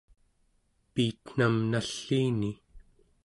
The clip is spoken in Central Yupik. piitnam nalliini